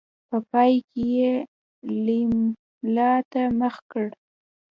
په پای کې يې ليلما ته مخ کړ.